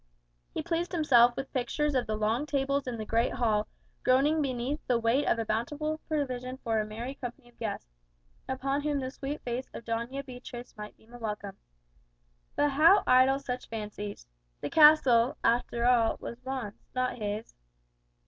He pleased himself with pictures of the long tables in the great hall, groaning beneath the weight of a bountiful provision for a merry company of guests, upon whom the sweet face of Doña Beatriz might beam a welcome. But how idle such fancies! The castle, after all, was Juan's, not his.